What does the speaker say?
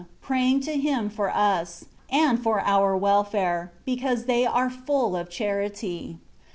praying to Him for us, and for our welfare, be cause they are full of charity.